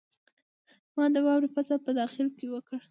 ما د واورې فصل په داخل کې وکړ.